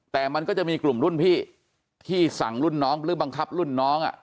แต่มันก็จะมีกลุ่มรุ่นพี่ที่สั่งรุ่นน้องหรือบังคับรุ่นน้อง